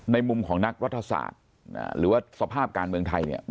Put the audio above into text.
ในมุมของนักวัฒนศาสตร์หรือว่าสภาพการเมืองไทย